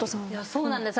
そうなんです。